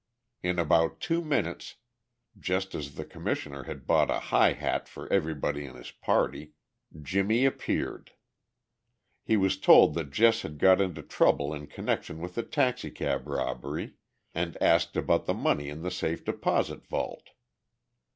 In about two minutes, just as the Commissioner had bought a "high hat" for everybody in his party, Jimmie appeared. He was told that Jess had got into trouble in connection with the taxicab robbery, and asked about the money in the safe deposit vault.